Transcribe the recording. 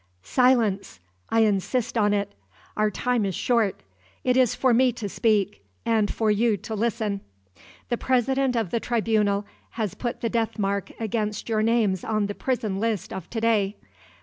Silence! I insist on it. Our time is short; it is for me to speak, and for you to listen. The president of the tribunal has put the deathmark against your names on the prison list of to day.